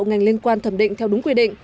ngành liên quan thẩm định theo đúng quy định